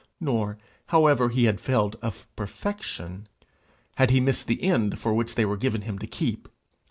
Nor, however he had failed of perfection, had he missed the end for which they were given him to keep.